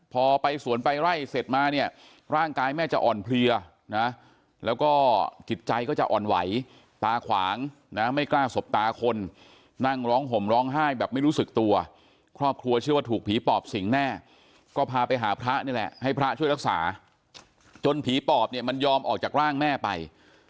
พอไปสวนไปไล่เสร็จมาเนี่ยร่างกายแม่จะอ่อนเพลียนะแล้วก็จิตใจก็จะอ่อนไหวตาขวางนะไม่กล้าสบตาคนนั่งร้องห่มร้องไห้แบบไม่รู้สึกตัวครอบครัวเชื่อว่าถูกผีปอบสิงแน่ก็พาไปหาพระนี่แหละให้พระช่วยรักษาจนผีปอบเนี่ยมันยอมออกจากร่างแม่ไป